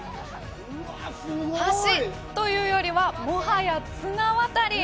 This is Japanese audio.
橋というよりは、もはや綱渡り。